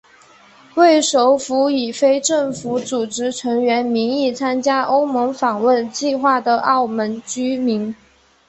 为首位以非政府组织成员名义参加欧盟访问计划的澳门居民。